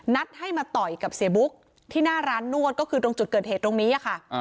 นัดให้มาต่อยกับเสียบุ๊กที่หน้าร้านนวดก็คือตรงจุดเกิดเหตุตรงนี้ค่ะ